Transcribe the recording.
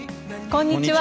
こんにちは。